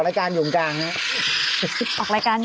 ออกรายการอยู่ที่ไหน